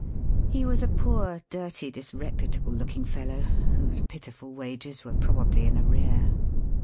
He was a poor, dirty, disreputable looking fellow, whose pitiful wages were pro bably in arrear.